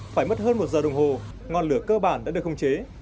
phải mất hơn một giờ đồng hồ ngọn lửa cơ bản đã được khống chế